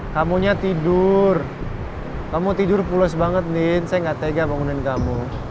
kamu nya tidur kamu tidur pulas banget nien saya nggak tega bangunin kamu